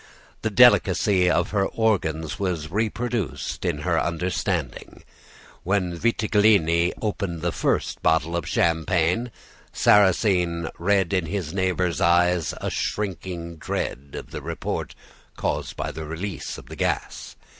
The delicacy of her organs was reproduced in her understanding. When Vitagliani opened the first bottle of champagne, Sarrasine read in his neighbor's eyes a shrinking dread of the report caused by the release of the gas.